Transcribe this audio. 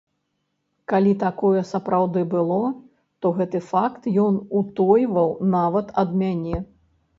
Калі такое сапраўды было, то гэты факт ён утойваў нават ад мяне.